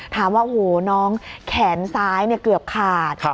ถามว่าโอ้โหน้องแขนซ้ายเกือบขาด